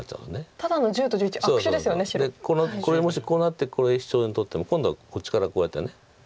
これもしこうなってこれシチョウに取っても今度はこっちからこうやって。